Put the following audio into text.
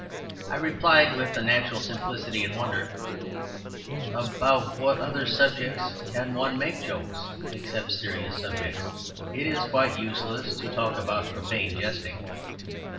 I replied with a natural simplicity and wonder, "About what other subjects can one make jokes except serious subjects?" It is quite useless to talk about profane jesting.